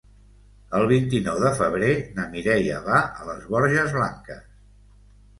El vint-i-nou de febrer na Mireia va a les Borges Blanques.